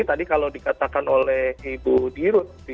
jadi tadi kalau dikatakan oleh ibu dirut